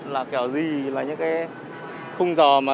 là kiểu gì là những cái khung dò mà